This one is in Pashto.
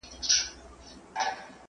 درس مه پرېږده او مېلې ته مه ځه.